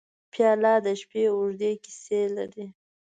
پیاله د شپې اوږدې کیسې لري.